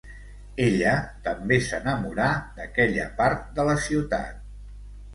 Ella també s'enamorà d'aquella part de la ciutat.